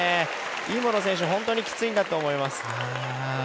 尹夢ろ選手、本当にきついんだと思います。